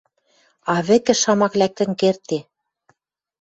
А вӹкӹ шамак лӓктӹн кердде.